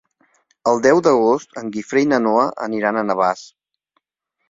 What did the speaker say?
El deu d'agost en Guifré i na Noa aniran a Navàs.